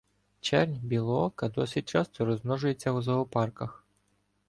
Чернь білоока досить часто розмножується у зоопарках.